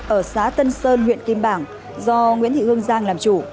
ở xã tân sơn huyện kim bảng do nguyễn thị hương giang làm chủ